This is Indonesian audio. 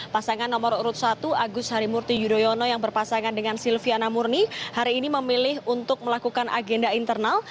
pasangan nomor urut satu agus harimurti yudhoyono yang berpasangan dengan silviana murni hari ini memilih untuk melakukan agenda internal